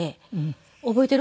覚えている？